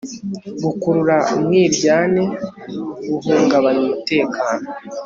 gukurura umwiryane guhungabanya umutekano